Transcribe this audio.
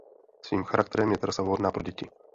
Svým charakterem je trasa vhodná pro děti.